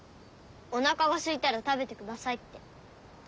おなかがすいたら食べてくださいって。